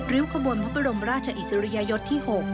้วขบวนพระบรมราชอิสริยยศที่๖